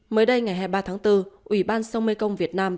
mới đây ngày hai mươi ba tháng bốn ủy ban sông mê công việt nam